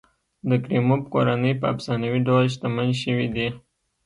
د کریموف کورنۍ په افسانوي ډول شتمن شوي دي.